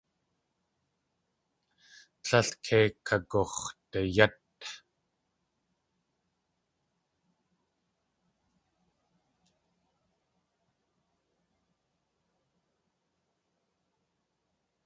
Tlél kei kagux̲dayát.